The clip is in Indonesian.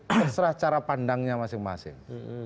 terserah cara pandangnya masing masing